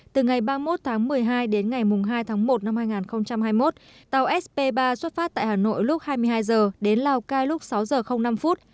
từ ngày ba mươi một tháng một mươi hai đến ngày hai tháng một năm hai nghìn hai mươi một tàu sp ba xuất phát tại hà nội lúc hai mươi hai h đến lào cai lúc sáu giờ năm phút